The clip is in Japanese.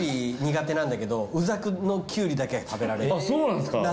苦手なんだけどうざくのキュウリだけは食べられるなぜか。